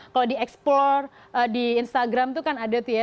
kalau di explor di instagram itu kan ada tuh ya